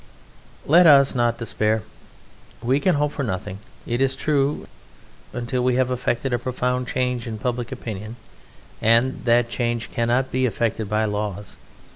Let us not despair! We can hope for nothing, it is true, until we have effected a profound change in public opinion, and that change cannot be effected by laws.